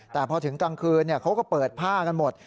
แต่พอถึงกลางคืนเขาก็เปิดผ้ากันหมด